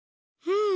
うん？